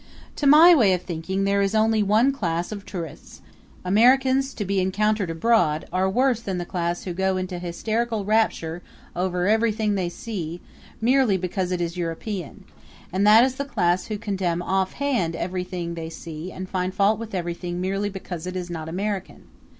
To my way of thinking there is only one class of tourist Americans to be encountered abroad worse than the class who go into hysterical rapture over everything they see merely because it is European, and that is the class who condemn offhand everything they see and find fault with everything merely because it is not American.